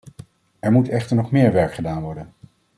Er moet echter nog meer werk gedaan worden.